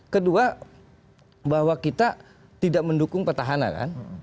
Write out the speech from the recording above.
kedua bahwa kita tidak mendukung petahana kan